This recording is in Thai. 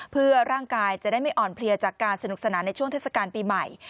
เพื่อร่างกายจะได้ไม่อ่อนเพลียจากการสนุกสนานในช่วงเทศกาลปีใหม่